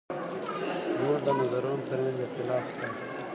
زموږ د نظرونو تر منځ اختلاف شته.